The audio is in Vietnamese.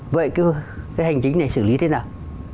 vậy cái hành chính này xử lý thế nào